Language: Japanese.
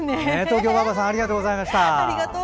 東京ばあばさんありがとうございました。